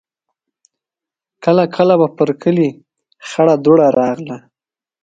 کله کله به پر کلي خړه دوړه راغله.